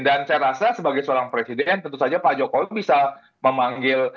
dan saya rasa sebagai seorang presiden tentu saja pak jokowi bisa memanggil